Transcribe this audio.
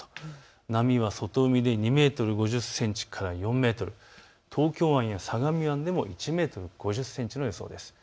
波は外海で２メートル５０センチから４メートル、東京湾や相模湾でも１メートル５０センチの予想です。